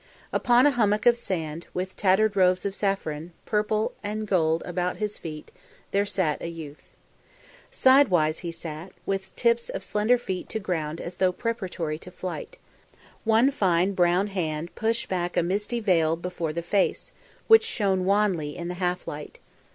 Upon a hummock of sand, with tattered robes of saffron, purple and of gold about his feet, there sat a youth. Sideways he sat, with tips of slender feet to ground as though preparatory to flight. One fine brown hand pushed back a misty veil before the face, which shone wanly in the half light.